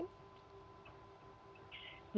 ibu nadia dari kementerian kesehatan